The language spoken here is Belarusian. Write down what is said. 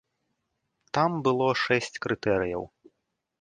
Там было шэсць крытэрыяў.